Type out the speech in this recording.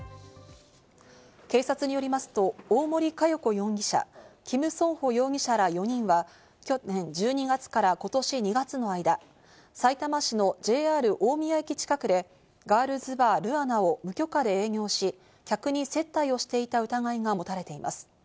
警察によりますと、大森加代子容疑者、キム・ソンホ容疑者ら４人は去年１２月からことし２月の間、さいたま市のＪＲ大宮駅近くでガールズバー・ＬＵＡＮＡを無許可で営業し、客に接待をしていた疑いが持たれています。